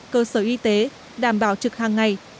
cơ sở y tế đảm bảo trực hàng ngày